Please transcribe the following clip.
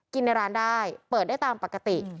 ในร้านได้เปิดได้ตามปกติ